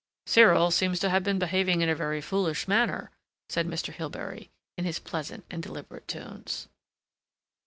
"Cyril seems to have been behaving in a very foolish manner," said Mr. Hilbery, in his pleasant and deliberate tones.